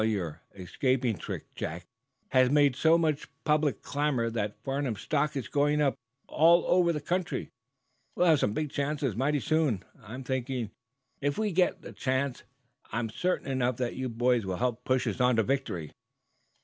Your escaping trick, Jack, has made so much public clamor that Farnum stock is going up all over the country. We'll have some big chances, mighty soon, I'm thinking. If we get the chances, I'm certain enough that you boys will help push us on to victory!"